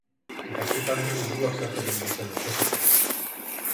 Gaztetandik liburuak saltzen ibili zen etxez etxe.